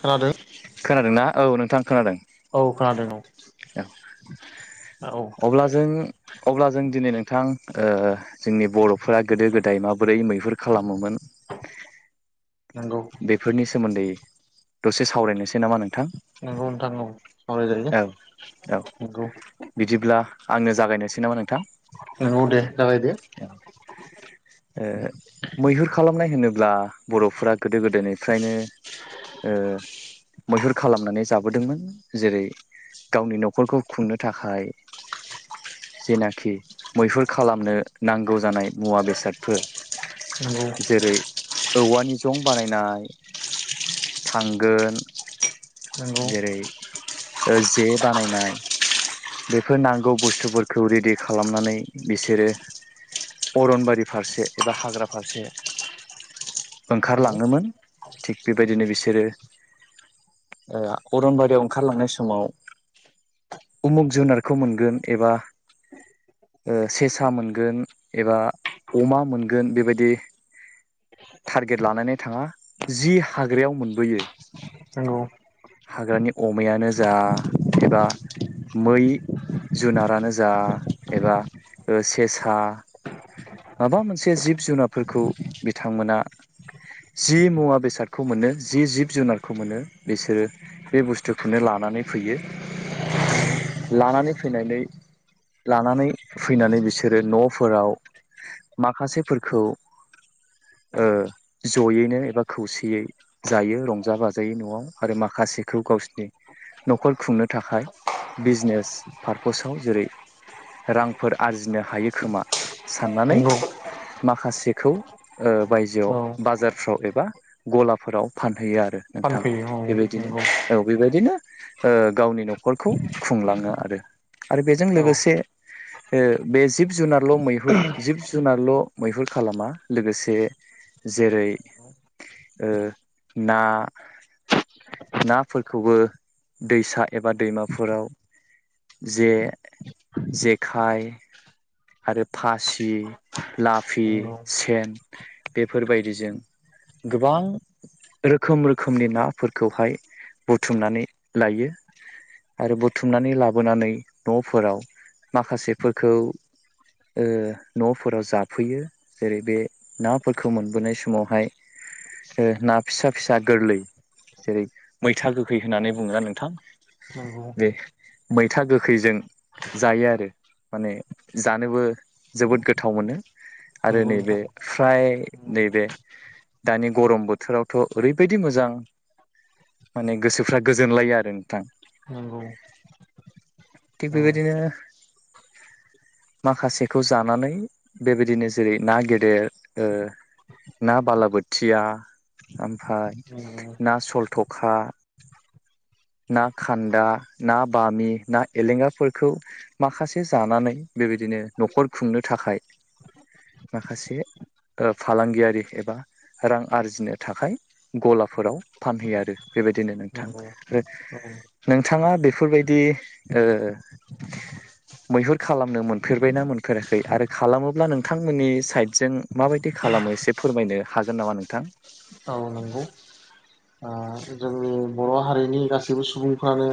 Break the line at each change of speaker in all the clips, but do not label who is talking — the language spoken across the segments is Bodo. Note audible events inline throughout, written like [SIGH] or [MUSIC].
खोनादों
खोनादोंना औ नोंथां खोनादों
औ खोनादों औ
औ
औ
अब्ला जों अब्ला जों दिनै नों थां जोंनि बर'फोरा गोदो गोदाय माबोरै मैहुर खालामोमोन?
नंगौ
बेफोरनि सोमोन्दै दसे सावरायनोसै नामा नोंथां?
नोंगौ नोंथां औ सावराय
औ
जागोनने औ
बिदिब्ला आंनो जागायनोसै नामा नोंथां
नंगौ दे जागायदो।
ओ मैहुर खालाम नाय होनोब्ला बर'फोरा गोदो गोदोनिफ्रायनो ओ मैहुर खालामनानै जाबोदोंमोन जेरै गावनि न'खरखौ खुंनो थाखाय जेनाखि मैहुर खालामनो नांगौ जानाय मुवा बेसादफोर
नंगौ
जेरै औवानि जं बानायनाय थांगोन
नंगौ
जेरै ओ जे बानायनाय बेफोर नांगौ बुस्थुफोरखौ रेडि खालामनानै बिसोरो अरनबारि फारसे एबा हाग्रा फारसे
नंगौ
ओंखारलाङोमोन। थिग बेबायदिनो बिसोरो ओ अरनबारियाव ओंखारलांनाय समाव उमुग जुनारखौ मोनगोन एबा ओ सेसा मोनगोन एबा अमा मोनगोन बेबायदि टारगेट लानानै थाङा जि हाग्रायाव मोनबोयो
नंगौ
हाग्रानि अमायानो जा एबा मै जुनारानो जा एबा सेसा ओ माबा मोनसे जिब जुनारफोरखौ बिथांमोना जि मुवा बेसादखौ मोनो जि जिब जुनारखौ मोनो बिसोरो बे बुस्थुखौनो नानै फैयो
नंगौ
लानानै फैनानै लानानै फैनानै बिसोरो न'फोराव माखासेफोरखौ
[INAUDIBLE]
ओ जयैनो एबा खौसेयै जायो रंजा बाजायै न'आव आरो माखासेखौ गावसिनि न'खर खुंनो थाखाय बिजनेस पारपसाव जेरै रांफोर आरजिनो हायो खोमा साननानै
नंगौ
माखासेखौ बायजोआव
औ
बाजारफ्राव एबा गलाफोराव फानहैयो आ रो नोंथां
फानफैयो औ
बेबायदिनो
नंगौ
औ बेबायदिनो गावनि न'खरखौ खुंलाङो आरो आरो बेजों
औ
लोगोसे ओ बे जिब जुनारल' मैहुर जिब जुनारल' मैहुर खालामा लोगोसे जेरै ओ ना नाफोरखौबो दैसा एबा दैमाफोराव जे जेखाय आरो फासि लाफि
नंगौ
सेन बेफोरबायदिजों गोबां रोखोम रोखोमनि नाफोरखौहाय बुथुमनानै लायो। आरो बुथुमनानै लाबोनानै न'फोराव माखासेफोरखौ
[INAUDIBLE]
ओ न'फोराव जाफैयो जेरै बे नाफोरखौ मोनबोनाय समावहाय ओ ना फिसा फिसा गोरलै जेरै मैथा गोखै होननानै बुङोना नोंथां?
नंगौ
बे मैथा गोखैजों जायो आरो माने जानोबो जोबोद गोथाव मोनो। आरो
नंगौ
नैबे
नोंथां
फ्राय नैबे दानि गरम बोथोरावथ' ओरैबायदि मोजां माने गोसोफ्रा गोजोनलायो आरो नोंथां
नंगौ
थिग
औ
बेबायदिनो माखासेखौ जानानै बेबायदिनो जेरै ना गेदेर ना बालाबोथिया ओमफ्राय
नंगौ
ना सलथखा ना खान्दा ना बामि ना एलेंगाफोरखौ माखासे जानानै बेबायदिनो न'खर खुंनो थाखाय माखासे ओ फालांगियारि एबा रां आरजिनो थाखाय गलाफोराव फानहैयो आरो बेबायदिनो नोंथां।
नंगौ औ
नोंथाङा बेफोरबायदि ओ मैहुर खालामनो मोनफेरबायना मोनफेराखै आरो खालामोब्ला नोंथांमोननि साइदजों माबायदि खालाम। खालामो एसे फोरमायनो हागोन नामा नोंथां?
औ नंगौ ओ जोंनि बर' हारिनि गासैबो सुबुंफ्रानो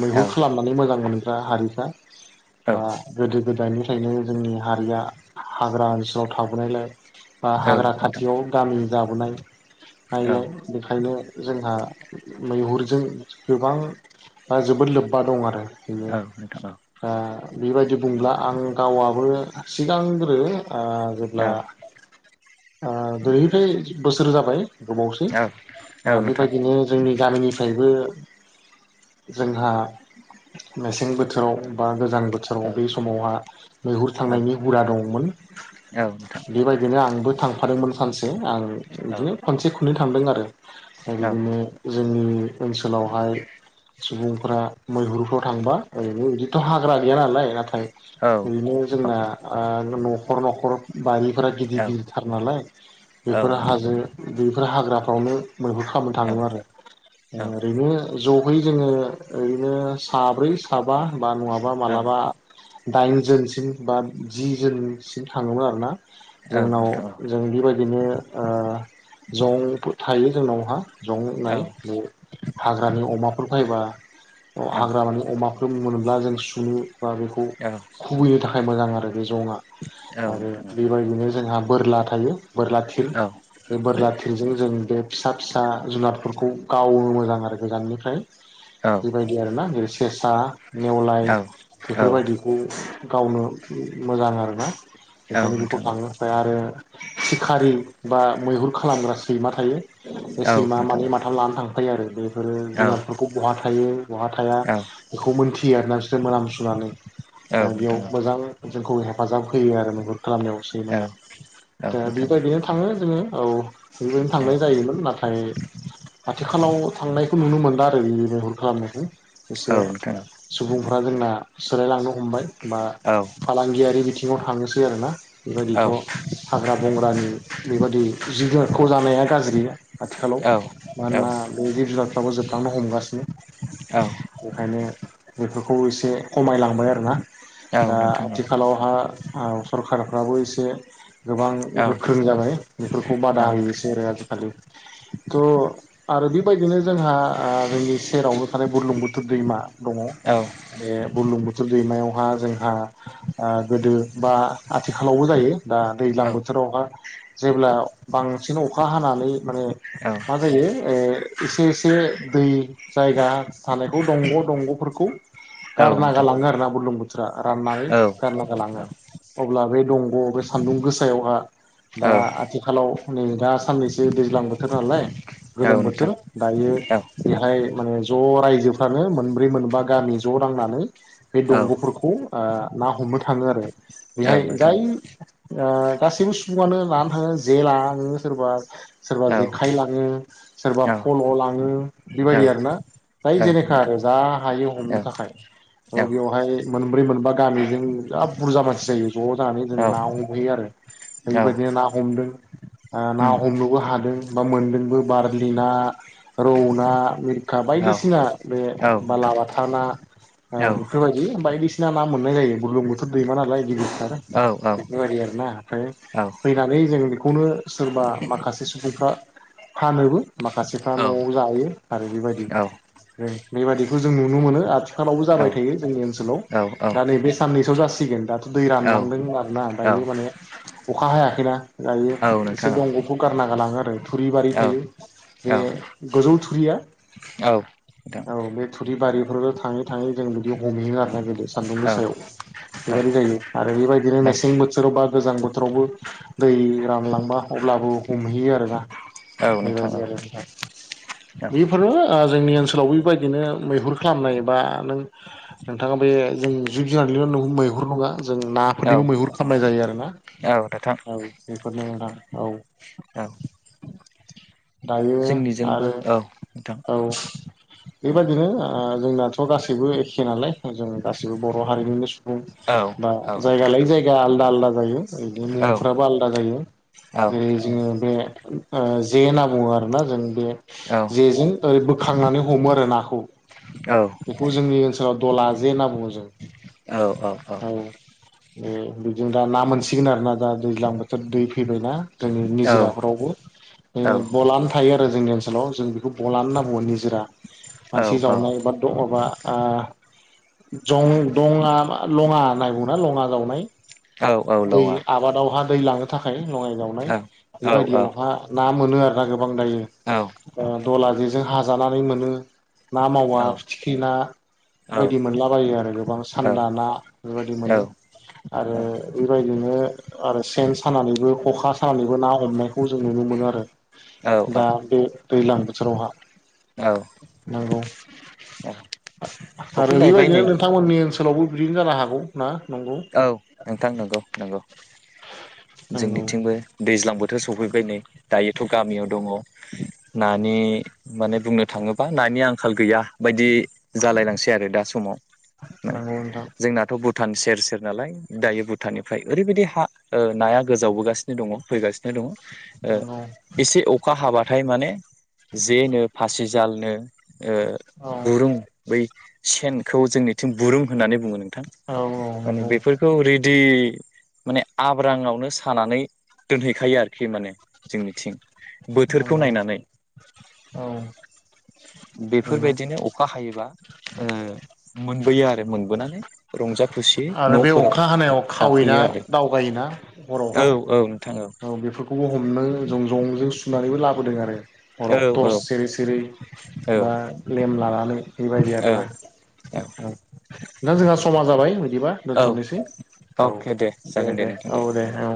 मैहुर
औ
खालामनानै मोजां मोनो। हारिखा बा
औ
गोदोनिफ्राय गोदोनिफ्रायनो जोंनि हारिया हाग्रा ओनसोलाव थाबोनायलाय। बा
औ
हाग्रा
नोंथां
खाथियाव गामि जाबोनाय
औ
नायलाय बेखायनो। जोंहा मैहुरजों गोबां दा जोबोद लोब्बा दं आरो बेयो
औ नोंथां औ
दा बेबायदि बुंब्ला आं गावाबो सिगांग्रो ओ जेब्ला
औ
ओ दुहिफ्राय बोसोर जाबाय। गोबावसै
औ औ नोंथां
बेबायदिनो जोंनि गामिनिफ्रायबो जोंहा। मेसें बोथोराव बा गोजां बोथोराव
औ
बै समावहा मैहुर
औ नोंथां औ
थांनायनि हुदा दंमोन।
औ नोंथां
बेबायदिनो आंबो थांफादोंमोन सानसे आं
औ नोंथां औ
बिदिनो खनसे खननै थांदों आरो दा बिदिनो जोंनि ओनसोलावहाय सुबुंफ्रा। मैहुरुफ्राव थांबा ओरैबो ओरैबोथ' हाग्रा। गैया नालाय नाथाय ओरैनो
औ नोंथां औ नोंथां औ नोंथां औ नोंथां औ
जोंना न'खर न'खर बारि। फोरा गिदिर
औ
गिदिरथार नालाय बेफोर हाजो बेफोर हाग्राफ्रावनो। मैहुर खालामनो थाङोमोन आरो ओरैनो ज'। बै जोङो ओरैनो साब्रै साबा बा नङाबा माब्लाबा दाइन जोनसिम बा जि जोनसिम थाङोमोन आरोना जोंनाव जों बेबायदि ओरैनो जं थायो जोंनावहा जं होननाय जं हाग्रानि अमाफोर फैबा हाग्रा मानि अमाफोर मोनोब्ला जों सुनो। बा बेखौ खुबैनो थाखाय मोजां आरो बे जङा आरो बेबायदिनो जोंहा बोरला थायो बोरला थिर बे बोरला थिरजों जों बे फिसा फिसा जुनादफोरखौ गानो मोजां आरो गोजाननिफ्राय। बेबायदि आरोना जेरै सेसा नेेवलाय बेफोरबायदिखौ। गावनो मोजां आरोना ओंखायनो बेखौ थांनो थाखाय आरो। सिखारि बा मैहुर खालामग्रा सैमा थायो बे सैमा मानै माथाम लानानै थाङो। ओमफाय आरो बेफोरो जुनारफोरखौ बहा थायो बहा थाया बेखौ मिथि थियो आरोना बिसोरो मोनामसुनानै बेयाव मोजां जोंखौ हेफाजाब होयो आरो मैहुर खालामनायाव सैमाया दा
औ
बेबायदिनो थाङो जोङो औ बेबायदिनो
नोंथां
थांनाय
औ
जायोमोन नाथाय आथिखालाव थांनायखौ नुनो मोनला आरो बेयो मैहुर खालामनायखौ।
औ
एसे
नोंथां
सुबुंफ्रा जोंना सोलायलांनो हमबाय बा
औ
फालांगियारि बिथिं बिथिङाव थांङोसै आरो ना। बेबायदिथ' हाग्रा बंग्रानि बेबायदि जिब जुनारखौ जानाया गाज्रि बेनो
औ
आथिखालाव
औ
मानोना बेबायदि जुनारफ्राबो जोबलांनो हमगासिनो।
औ
बेखायनो बेफोरखौ एसे खमायलांबाय आरोना
औ
दा
नोंथां औ
आथिखालावहा सरखारफ्राबो एसे गोबां
औ
गोख्रों जाबाय बेफोरखौ
औ
बादा होयो एसे। आरो थ आरोदि बेबायदिनो जोंहा आ जोंनि सेरावनो थानाय बुरलुंबुथुर दैमा दङ
औ
बे बुरलुंबु थुर दैमायावहा जोंहा गोदो बा आथिखालावबो जायो। दा
औ
दैज्लां बोथोरावहा जेब्ला बांसिन अखा हानानै। माने
औ
मा जायो ओ एसे एसे दै जायगा। सानायखौ दंग' दंग'फोरखौ
औ
गारना
नोंथां
गालाङो आरो ना बुरलुंबुथुरा राननानै
औ औ
गारना
औ नोंथां औ
गालाङो अब्ला बे दंग' बे सा सान्दुं गोसायावहा दा आथिखालाव नै दा साननैसो दैज्लां बोथोर नालाय।
औ
गोलोम
नोंथां
बोथोर दायो
औ
बेहाय माने ज' रायजोफ्रानो मोनब्रै मोनबा गामि ज' नांनानै
औ
बे
औ उम औ नोंथां औ
दंग'फोरखौ आ ना हमनो थाङो आरो
औ नोंथां औ नोंथां औ
बेहाय जाय ओ गासैबो सुबुङानो लाना थाङो जे लाना थाङो सोरबा सोरबा जेखाइ लाङो सोरबा
नोंथां
फल' लाङो बेबायदि आरोना जाय जेनेखा आरो जा हायो हमनो थाखाय थ बेवहाय मोन ब्रै मोनबा गामिजों जा बुरजा मानसि जायो ज' जानानै जों ना हमहैयो आरो बेबायदिनो ना हमदों ओ ना हमनोबो दों बा मोनदोंबो बारलि ना रौ ना मिर खा बायदिसिना बे बालाबाथा ना ओ बेफोरबायदि बायदिसि ना मोननाय जायो बुरलुंबुथुर दैमा नालाय बिदि बेफोरबायदि आरोना ओमफ्राय फैनानै जों बेखौनो सोरबा माखासे उफ्रा फानोबो माखासेफ्रा न'आव जायो आरो बेबायदि बेबादिखौ जों नुनो मोनो आथिखालावबो जाबाय थायो जोंनि ओनसोलाव दा नैबे साननैसो जासिगोन दाथ दै रानलांदों आरोना दायो माने अखा हायाखैना दायो एसे दंगखौ आ लाङो आरो थुरि बारि थायो बे गोजौ थुरिया औ बे थुरिबारिफोरबो थाङै थाङै जों बिदि हमहैयो आरो नायहैदो सान्दुं गोसायाव बेबायदि जायो आरो बेबायदिनो मेसें बोथोराव बा गोजां बोथोरावबो दै रानलांबा अब्लाबो हमहैयो आरो ना बेबायदि आरो ओमफ्राय बेफोरनो आ जोंनि ओनसोलावबो बेबायदिनो मैहुर खालामनाय बा नों नोंथाङा बे जों जिब जुनार लियाव' नों मैहुर हङा जों
औ
नाफोरनिबो
औ
मैहुर खालामनाय जायो आरो ना
औ नोंथां
औ बेफोरनो नोंथां औ
औ
दायो
जोंनिजोंबो
आरो
औ नोंथां
औ बेबायदिनो आ जोंनाथ' गासैबो एखे नालाय जों गासिबो बर' हारिनिनो सुबुं
औ
बा
औ नोंथां
जायगा लायै जायगा आलदा आलदा जायो नो
औ
फ्राबा आलदा जायो
औ
जेरै [UNINTELLIGIBLE] जे आबौ आरोना जों बे जेजों ओरै बोखांनानै हमो आरो नाखौ
औ
बेखौ जोंनि ओनसोलाव दला जे होनना बुङो जों औ ए बिदिनो दा ना मोनसिगोन आरो ना दा दैज्लां बोथोर दै फैबायना जोङो निजिराफोरावबो ओ बलान थायो रो जोंनि ओनसोलाव जों बेखौ बलान होनना बुङो निजोरा
औ
मानसि
औ
जावनाय बा मा ओ जं दङा लङा नाय बुङोना लङा जावनाय
औ औ
दै
लङा
आबादावहा दै लाङो थाखाय लङाय जावनाय
औ औ औ
बेबायदियावहा ना मोनो आरो गो बां दायो
औ औ
ओ दला जेजों हाजानानै मोनो ना मावा थिना बेबायदि
औ
मोनलाबायो आरो गोबां
औ
सान्दा ना बेबायदि मोनो
औ औ
आरो बेबाय बिदिनो आरो सेन सानानैबो खखा सानानैबो ना हमनायखौ जों नुनो मोनो आरो दा बे दैलां बोथोरावहा नोंगौ आरो
सफैलायबाय
बेबायदिनो
नै
नोंथांमोननि ओनसोलावबो बिदिनो जानो हागौ ना? नंगौ
औ नोंथां नोंगौ नोंगौ।
नंगौ
जोंनिथिंबो दैज्लां बोथोर सफैबाय नै दायोथ' गामियाव दङ। नानि माने बुंनो थाङोबा नानि आंखाल गैया बायदि जालायलांसै आरो दा समाव माने
नंगौ नोंथां
जोंनाथ' भुटान सेर सेर नालाय दायो भुटाननिफ्राय ओरैबायदि हा ओ नाया गोजावबोगासिनो दङ फैगासिनो दङ। ओ
नंगौ
एसे अखा हाबाथाय माने जे नो फासि जालनो ओ
औ
बुरुं बै सेनखौ जोंनिथिं बुरुं होननानै बुङो नों
औ औ।
माने
नंगौ
बेफोरखौ रेडि माने आब्रांआवनो सानानै दोनहैखायो आरोखि माने जोंनिथिं बोथोरखौ
नंगौ
नायनानै
औ बेनो
बेफोरबायदिनो अखा हायोबा ओ मोनबोयो आरो मोनबोनानै रंजा खुसि
आरो बे अखा हानायाव खावै ना दावगायोना
औ
हरावहा
औ नोंथां
औ बेफोरखौबो हमनो जं जंजों सुनानैबो लाबोदों आरो
औ
हराव टर्स सेरै सेरै बा लेम्प लानानै बेबायदि
औ
आरोना ओं नोंथां जोंहा समा जाबाय बिदिबा
औ
दोनथ'नोसै औ दे दे औ दे औ